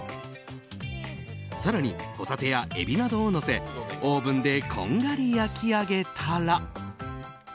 更にホタテやエビなどをのせオーブンでこんがり焼き上げたら。